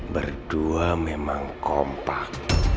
berdua memang kompak